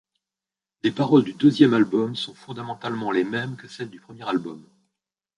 Les paroles du deuxième album sont fondamentalement les mêmes que celles du premier album.